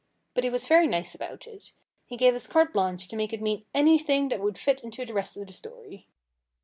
But he was very nice about it. He gave us carte blanche to make it mean anything that would fit into the rest of the story."